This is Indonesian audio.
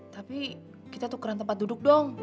tapi kita tukeran tempat duduk dong